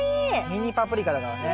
ミニパプリカだからね。